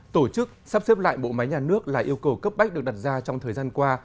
tổ chức sắp xếp lại bộ máy nhà nước là yêu cầu cấp bách được đặt ra trong thời gian qua